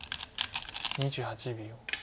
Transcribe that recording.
２８秒。